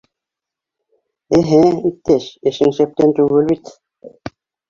— Эһе, иптәш, эшең шәптән түгел бит.